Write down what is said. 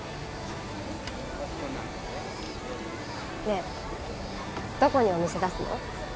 ねえどこにお店出すの？